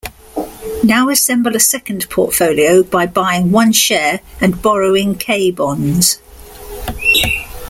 Now assemble a second portfolio by buying one share and borrowing "K" bonds.